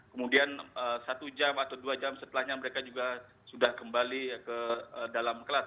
kemudian satu jam atau dua jam setelahnya mereka juga sudah kembali ke dalam kelas